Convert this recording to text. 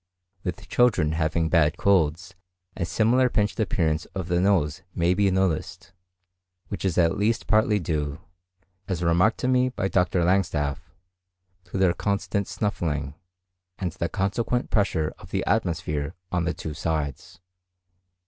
With children having bad colds a similar pinched appearance of the nose may be noticed, which is at least partly due, as remarked to me by Dr. Langstaff, to their constant snuffling, and the consequent pressure of the atmosphere on the two sides.